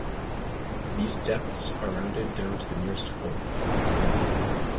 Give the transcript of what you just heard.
These depths are rounded down to the nearest foot.